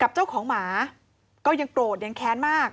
เจ้าของหมาก็ยังโกรธยังแค้นมาก